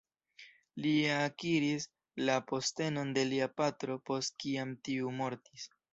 Li akiris la postenon de lia patro post kiam tiu mortis.